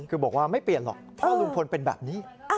คือบอกว่าไม่เปลี่ยนหรอกพ่อลุงพลเป็นแบบนี้